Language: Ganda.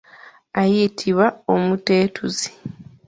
Ayitibwa omutetuzi.